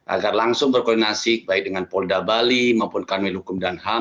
agar langsung berkoordinasi baik dengan polda bali maupun kanwil hukum dan ham